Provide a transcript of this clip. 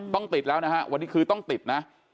ต้องติดแล้วนะฮะวันนี้คือต้องติดนะ